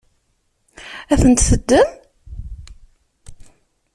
Ad tent-teddem?